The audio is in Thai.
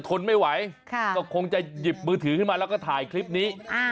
มันคงะแล้วจะถนจะชักยิบมือถือมาแล้วก็ถ่ายคลิปนี้